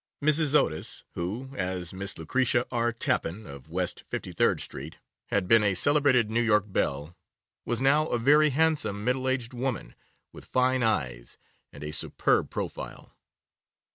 Mrs. Otis, who, as Miss Lucretia R. Tappan, of West 53rd Street, had been a celebrated New York belle, was now a very handsome, middle aged woman, with fine eyes, and a superb profile.